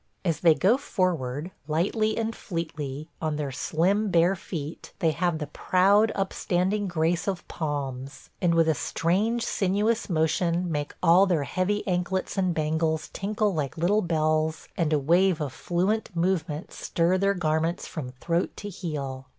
As they go forward, lightly and fleetly, on their slim bare feet they have the proud, upstanding grace of palms, and with a strange sinuous motion make all their heavy anklets and bangles tinkle like little bells and a wave of fluent movement stir their garments from throat to heel.